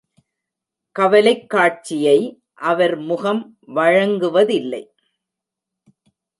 கவலைக் காட்சியை அவர் முகம் வழங்குவதில்லை.